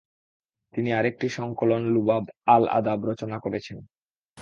তিনি আরেকটি সংকলন লুবাব আল-আদাব রচনা করেছেন।